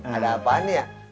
ada apaan ya